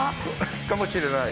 かもしれない。